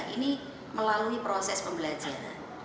ini melalui proses pembelajaran